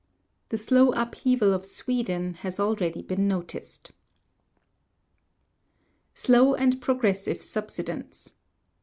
The slow upheaval of Sweden has already been noticed (p. 20). 8. Slow and progressive subsidence.